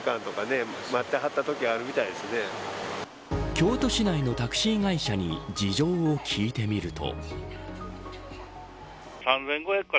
京都市内のタクシー会社に事情を聴いてみると。